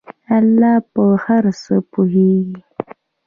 الله په هر څه پوهیږي.